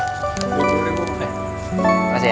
eh makasih ya